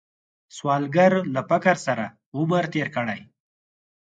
سوالګر له فقر سره عمر تیر کړی